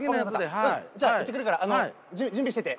分かったじゃあ行ってくるから準備してて。